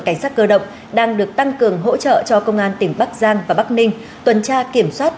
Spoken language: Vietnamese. cảnh sát cơ động đang được tăng cường hỗ trợ cho công an tỉnh bắc giang và bắc ninh tuần tra kiểm soát